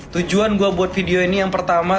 tujuan gue buat video ini yang pertama